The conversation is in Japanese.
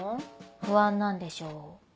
不安なんでしょ？